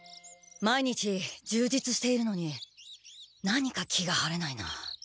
毎日じゅうじつしているのに何か気が晴れないな。